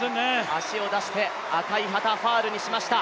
足を出して赤い旗、ファウルにしました。